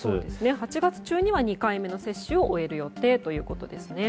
８月中には、２回目の接種を終える予定ということですね。